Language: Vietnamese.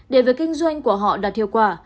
để việc kinh doanh của họ đạt thiêu quả